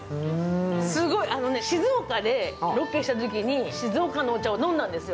すごい、静岡でロケしたときに静岡のお茶を飲んだんですよ。